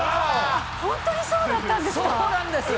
本当にそうだったんですか。